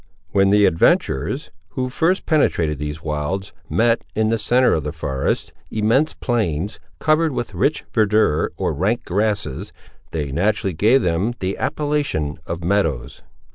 When the adventurers, who first penetrated these wilds, met, in the centre of the forests, immense plains, covered with rich verdure or rank grasses, they naturally gave them the appellation of meadows.